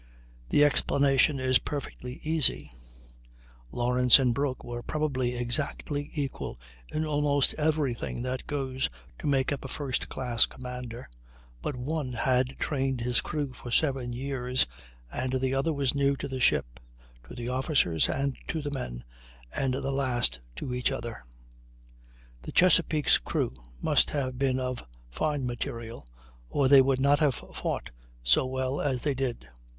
The explanation is perfectly easy; Lawrence and Broke were probably exactly equal in almost every thing that goes to make up a first class commander, but one had trained his crew for seven years, and the other was new to the ship, to the officers, and to the men, and the last to each other. The Chesapeake's crew must have been of fine material, or they would not have fought so well as they did.